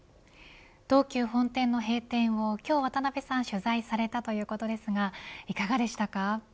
東急本店の閉店を、今日渡辺さん取材されたということですがいかがでしたか。